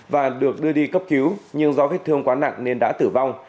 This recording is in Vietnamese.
và được đưa đi cấp cứu nhưng do vết thương quá nặng nên đã tử vong